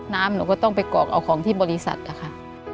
หนูก็ต้องไปกรอกเอาของที่บริษัทนะคะ